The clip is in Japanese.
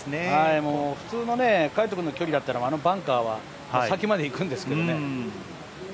もう普通の魁斗君の距離だったら、あのバンカーは先までいくんですけどね。